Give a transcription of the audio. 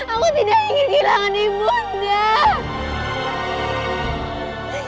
aku tidak ingin kehilangan ibu nda